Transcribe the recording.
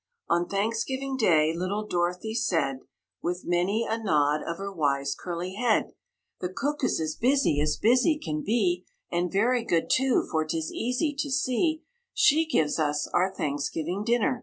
On Thanksgiving Day little Dorothy said, With many a nod of her wise, curly head, "The cook is as busy as busy can be, And very good, too, for 'tis easy to see She gives us our Thanksgiving Dinner."